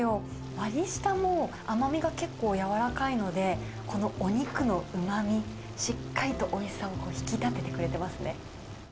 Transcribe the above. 割り下も甘みが結構柔らかいので、このお肉のうまみ、しっかりとおいしさを引き立ててくれてますね。